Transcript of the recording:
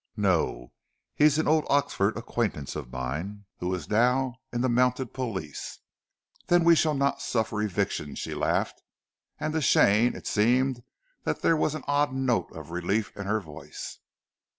"No; he is an old Oxford acquaintance of mine, who is now in the Mounted Police." "Then we shall not suffer eviction?" she laughed, and to Stane it seemed there was an odd note of relief in her voice.